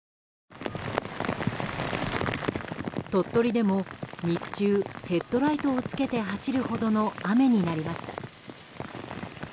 鳥取でも、日中ヘッドライトをつけて走るほどの雨になりました。